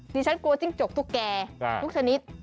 ฉันกลัวจิ้งจกตุ๊กแก่ทุกชนิด